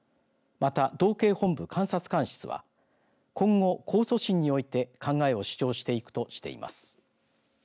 また、道警本部監察官室は今後、控訴審において考えを主張していくとしています。